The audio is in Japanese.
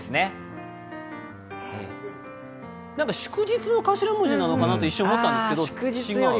祝日の頭文字なのかなと思ったんですけど違う？